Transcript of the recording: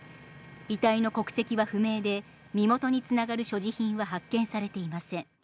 遺体の国籍は不明で、身元につながる所持品は発見されていません。